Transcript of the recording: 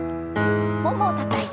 ももをたたいて。